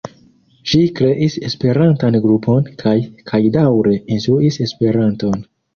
Ŝi kreis esperantan grupon kaj kaj daŭre instruis esperanton.